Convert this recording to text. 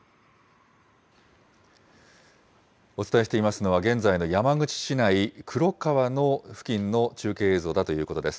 お伝えしていますのは、現在の山口市内、くろ川の付近の中継映像だということです。